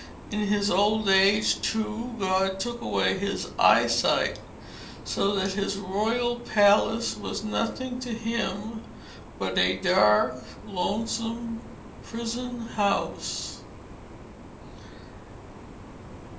In his old age, too, God took away his eyesight; so that his royal palace was nothing to him but a dark, lonesome prison house."